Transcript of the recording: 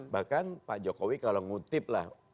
bahkan pak jokowi kalau ngutip lah